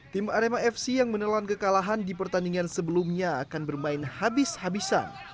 tim arema fc yang menelan kekalahan di pertandingan sebelumnya akan bermain habis habisan